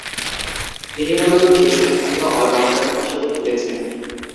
তিনি মূলতঃ শীর্ষস্থানীয় অল-রাউন্ডার হিসেবে খেলেছেন।